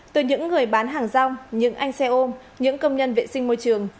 từ những người bán hàng rong những anh xe ôm những công nhân vệ sinh môi trường